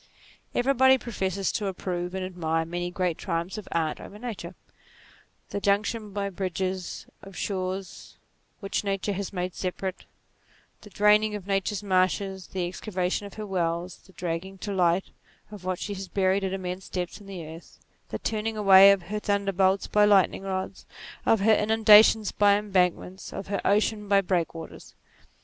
Everybody professes to approve and admire many great triumphs of Art over Nature : the junction by bridges of shores which Nature had made separate, the draining of Nature's marshes, the excavation of her wells, the dragging to light of what she has buried at immense depths in the earth; the turning away of her thunderbolts by lightning rods, of her inundations by embankments, of her ocean by break waters.